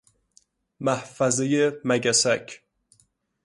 محفظه مگسک